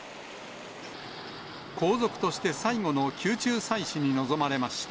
皇族として最後の宮中祭祀に臨まれました。